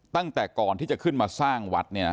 ตั้งแต่ก่อนที่จะขึ้นมาสร้างวัด